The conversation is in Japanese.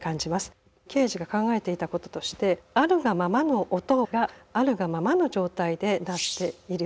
ケージが考えていたこととしてあるがままの音があるがままの状態で鳴っている。